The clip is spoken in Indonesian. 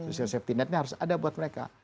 social safety netnya harus ada buat mereka